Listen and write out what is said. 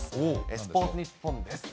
スポーツニッポンです。